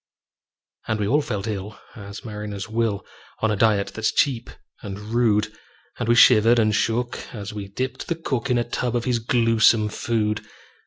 And we all felt ill as mariners will, On a diet that's cheap and rude; And we shivered and shook as we dipped the cook In a tub of his gluesome food.